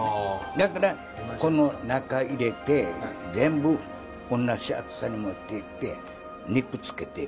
だからこの中へ入れて全部同じ厚さに持っていって肉つけていくね。